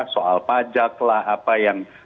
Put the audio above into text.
soal pajak lah apa yang